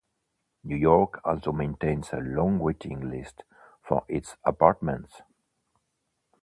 New York also maintains a long waiting list for its apartments.